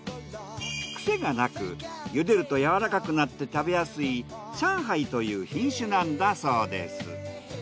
癖がなくゆでるとやわらかくなって食べやすいシャンハイという品種なんだそうです。